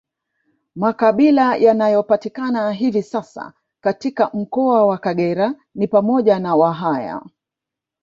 Makabila yanayopatikana hivi sasa katika mkoa wa Kagera ni pamoja na Wahaya